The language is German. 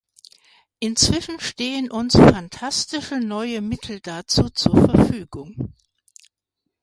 Inzwischen stehen uns phantastische neue Mittel dazu zur Verfügung.